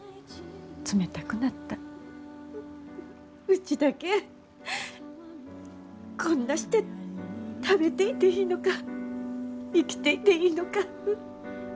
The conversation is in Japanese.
うちだけこんなして食べていていいのか生きていていいのか。